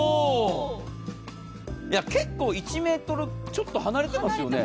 結構、１ｍちょっと離れてますよね